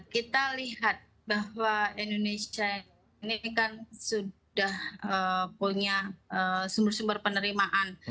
kita lihat bahwa indonesia ini kan sudah punya sumber sumber penerimaan